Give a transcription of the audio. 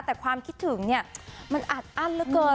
แต่ความคิดถึงเนี่ยมันอัดอ้านแล้วกัน